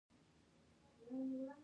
د غنمو وږي په اور وریت کیږي.